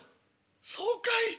「そうかい。